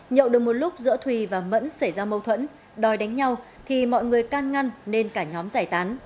nhậu được một lúc giữa thùy và mẫn xảy ra mâu thuẫn đòi đánh nhau thì mọi người can ngăn nên cả nhóm giải tán